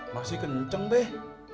masih kenceng deh